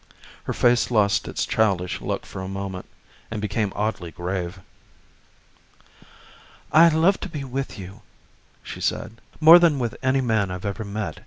Her face lost its childish look for moment and became oddly grave. "I love to be with you," she said, "more than with any man I've ever met.